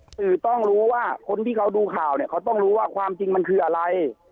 สื่อต้องรู้ว่าคนที่เขาดูข่าวเนี่ยเขาต้องรู้ว่าความจริงมันคืออะไร